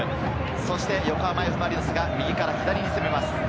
そして横浜Ｆ・マリノスが右から左に攻めます。